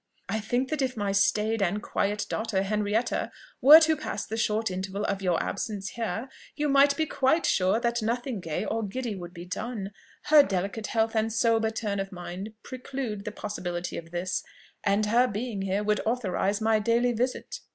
I think that if my staid and quiet daughter Henrietta were to pass the short interval of your absence here, you might be quite sure that nothing gay or giddy would be done: her delicate health and sober turn of mind preclude the possibility of this; and her being here would authorize my daily visit."